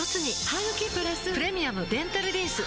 ハグキプラス「プレミアムデンタルリンス」